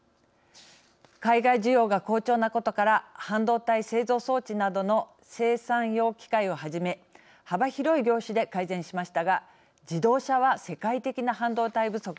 海外需要が好調なことから半導体製造装置などの生産用機械をはじめ幅広い業種で改善しましたが自動車は世界的な半導体不足。